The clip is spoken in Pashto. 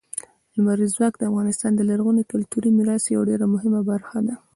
لمریز ځواک د افغانستان د لرغوني کلتوري میراث یوه ډېره مهمه برخه ده.